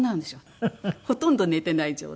ほとんど寝てない状態で。